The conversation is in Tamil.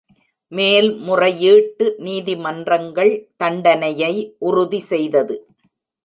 மேல்முறையீட்டு நீதிமன்றங்கள் தண்டனையை உறுதிசெய்தது.